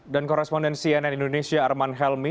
dan korespondensi cnn indonesia arman helmi